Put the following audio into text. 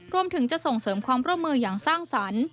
รวมถึงจะส่งเสริมความร่วมมืออย่างสร้างสรรค์